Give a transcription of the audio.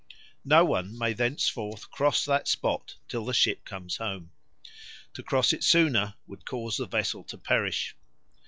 No one may thenceforth cross that spot till the ship comes home. To cross it sooner would cause the vessel to perish.